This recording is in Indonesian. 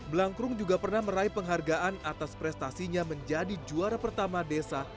blangkrung juga pernah meraih penghargaan atas prestasinya menjadi juara pertama desa